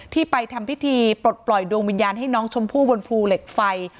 ที่ไปทำพิธีปลดปล่อยดวงวิญญาณให้น้องชมพู่บนภูเหล็กไฟ